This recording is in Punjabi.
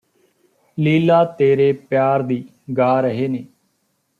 ਲੀਲਾ ਤੇਰੇ ਪਿਆਰ ਦੀ ਗਾ ਰਹੇ ਨੇ